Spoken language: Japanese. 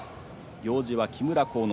行司は木村晃之